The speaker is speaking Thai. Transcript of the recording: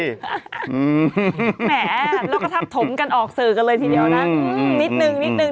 แหมแล้วก็ทำถมกันออกสื่อกันเลยทีเดียวนะ